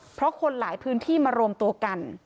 เพราะคนหลายพื้นที่มารวมตัวกัน